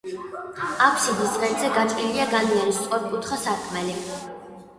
აფსიდის ღერძზე გაჭრილია განიერი, სწორკუთხა სარკმელი.